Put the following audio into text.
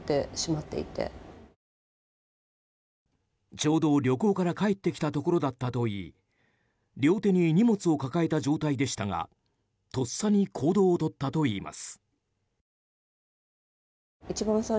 ちょうど旅行から帰ってきたところだったといい両手に荷物を抱えた状態でしたがとっさに行動をとったといいます。